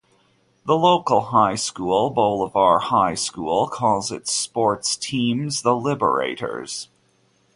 The local high school, Bolivar High School, calls its sports teams the "Liberators".